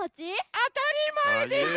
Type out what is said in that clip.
あたりまえでしょ。